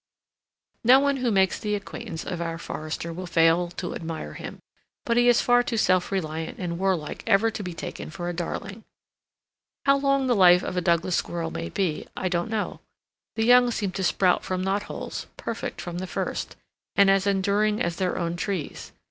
No one who makes the acquaintance of our forester will fail to admire him; but he is far too self reliant and warlike ever to be taken for a darling. How long the life of a Douglas Squirrel may be, I don't know. The young seem to sprout from knot holes, perfect from the first, and as enduring as their own trees.